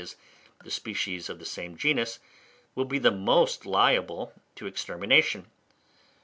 e._ the species of the same genus, will be the most liable to extermination.